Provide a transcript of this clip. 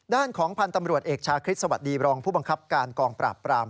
ด้านของพันธ์ตำรวจเอกชาคริสสวัสดีบรองผู้บังคับการกองปราบปราม